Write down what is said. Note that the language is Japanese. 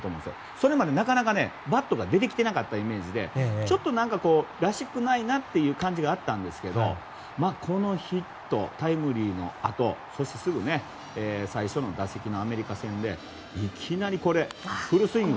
それまで、なかなかバットが出てきてなかったイメージでちょっとらしくない感じがあったんですがこのヒット、タイムリーのあとそして、すぐアメリカ戦の最初の打席でいきなりフルスイング。